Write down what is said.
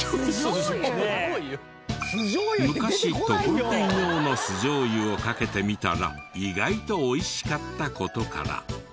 昔ところてん用の酢じょう油をかけてみたら意外と美味しかった事から。